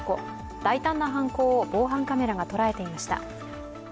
大胆な犯行を防犯カメラがとらえていました。